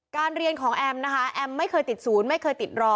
เรียนของแอมนะคะแอมไม่เคยติดศูนย์ไม่เคยติดรอ